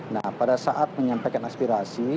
nah pada saat menyampaikan aspirasi